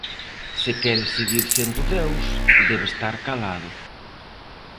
Se quere seguir sendo Deus debe estar calado.